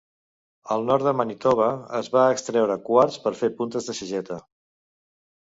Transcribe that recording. Al nord de Manitoba es va extreure quars per fer puntes de sageta.